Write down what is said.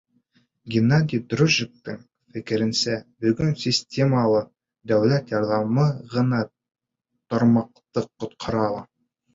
Геннадий Дрожжиндың фекеренсә, бөгөн системалы дәүләт ярҙамы ғына тармаҡты ҡотҡара ала.